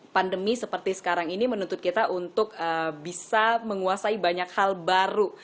pandemi seperti sekarang ini menuntut kita untuk bisa menguasai banyak hal baru